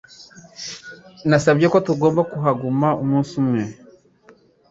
Nasabye ko tugomba kuhaguma undi munsi